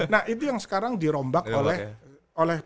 nah itu yang sekarang dirombak oleh